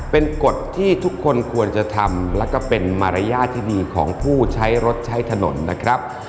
เป็นกฎที่ทุกคนควรจะทำแล้วก็เป็นมารยาทที่ดีของผู้ใช้รถใช้ถนนนะครับ